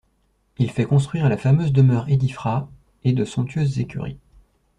Il fait construire la fameuse demeure Edifra et de somptueuses écuries.